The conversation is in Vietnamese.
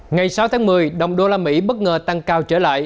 ngày sáu tháng một mươi đồng đô la mỹ bất ngờ tăng cao trở lại